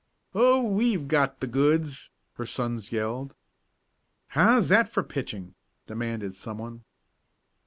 "Oh, we've got the goods!" her sons yelled. "How's that for pitching?" demanded someone.